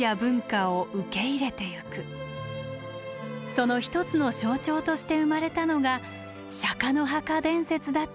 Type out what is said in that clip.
その一つの象徴として生まれたのが釈の墓伝説だったのかもしれません。